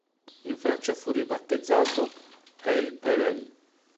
In Francia, fu ribattezzato "Oeil pour oeil".